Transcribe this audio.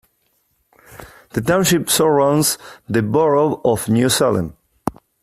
The township surrounds the borough of New Salem.